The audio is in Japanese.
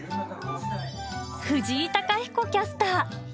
藤井貴彦キャスター。